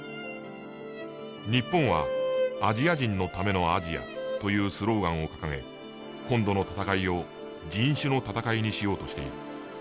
「日本はアジア人のためのアジアというスローガンを揚げ今度の戦いを人種の戦いにしようとしている。